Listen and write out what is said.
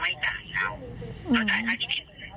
และมีการเก็บเงินรายเดือนจริง